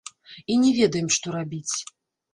І не ведаем, што рабіць.